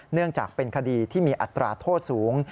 เนื่องจากเป็นคดีที่มีอัตราโทษสูง